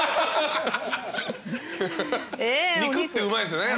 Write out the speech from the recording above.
肉ってうまいですよね。